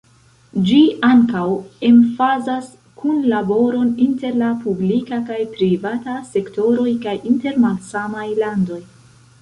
Ĝi ankaŭ emfazas kunlaboron inter la publika kaj privata sektoroj kaj inter malsamaj landoj.